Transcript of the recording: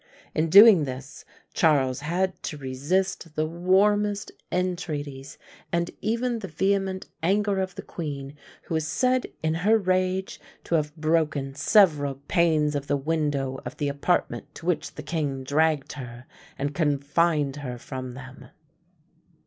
In doing this, Charles had to resist the warmest entreaties, and even the vehement anger of the queen, who is said in her rage to have broken several panes of the window of the apartment to which the king dragged her, and confined her from them.